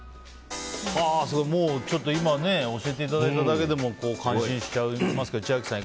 今、教えていただいただけでも感心しちゃいますけど千秋さん